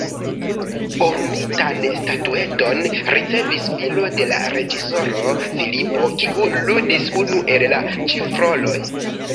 Orumitan statueton ricevis filo de la reĝisoro, Filipo, kiu ludis unu el la ĉefroloj.